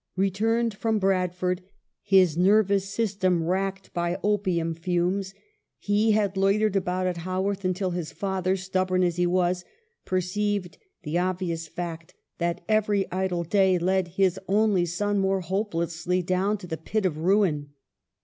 Returned from Bradford, his ner vous system racked by opium fumes, he had loitered about at Haworth until his father, stub born as he was, perceived the obvious fact that every idle day led his only son more hopelessly down to the pit of ruin.